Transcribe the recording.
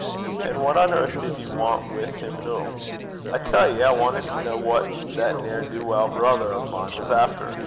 'And what on earth did ye want wi' 'im noo?' 'I tell ye I wantit to ken what that ne'er do weel brither o' mine was efter.